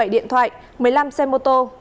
một mươi bảy điện thoại một mươi năm xe mô tô